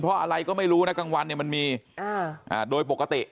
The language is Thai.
เพราะอะไรก็ไม่รู้นะกลางวันเนี่ยมันมีโดยปกติ